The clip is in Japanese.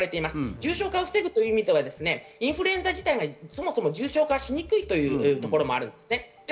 重症化を防ぐという意味ではインフルエンザ自体がそもそも重症化しにくいというところもあります。